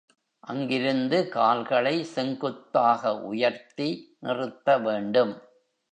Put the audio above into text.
அங்கிருந்து கால்களை செங்குத்தாக உயர்த்தி நிறுத்த வேண்டும்.